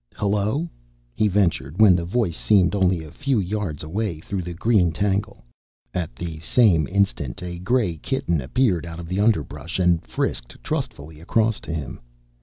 "Hello," he ventured, when the voice seemed only a few yards away through the green tangle. At the same instant a gray kitten appeared out of the underbrush, and frisked trustfully across to him.